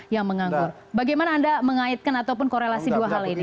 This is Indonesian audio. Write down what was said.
yang menganggur bagaimana anda mengaitkan ataupun korelasi dua hal ini